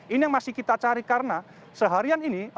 ini yang masih kita cari karena seharian ini